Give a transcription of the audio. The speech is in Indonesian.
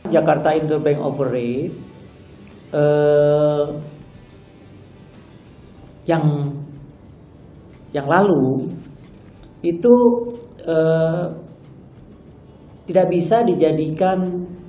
jakarta inter bank operate yang lalu itu tidak bisa dijadikan